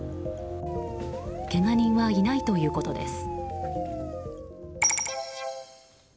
けが人はいないということです。